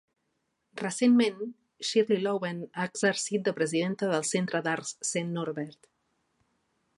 Recentment, Shirley Loewen ha exercit de presidenta del Centre d'Arts Saint Norbert.